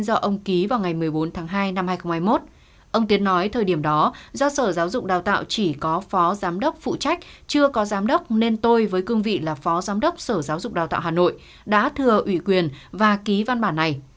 ông tiến nói thời điểm đó do sở giáo dục đào tạo chỉ có phó giám đốc phụ trách chưa có giám đốc nên tôi với cương vị là phó giám đốc sở giáo dục đào tạo hà nội đã thừa ủy quyền và ký văn bản này